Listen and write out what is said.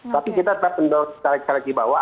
tapi kita tetap mendorong caleg caleg di bawah